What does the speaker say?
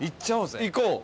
行こう！